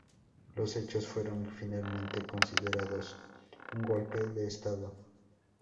Los hechos fueron finalmente considerados un golpe de Estado.